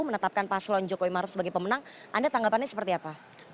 menetapkan paslon jokowi maruf sebagai pemenang anda tanggapannya seperti apa